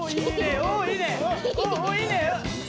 おおっいいね！